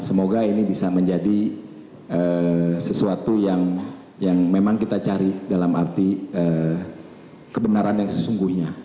semoga ini bisa menjadi sesuatu yang memang kita cari dalam arti kebenaran yang sesungguhnya